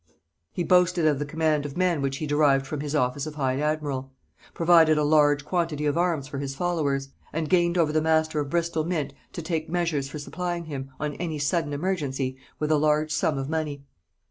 He boasted of the command of men which he derived from his office of high admiral; provided a large quantity of arms for his followers; and gained over the master of Bristol mint to take measures for supplying him, on any sudden emergency, with a large sum of money.